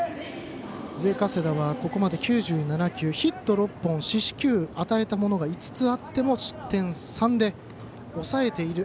上加世田はここまで９７球、ヒット６本四死球与えたものが５つあっても失点３で抑えている。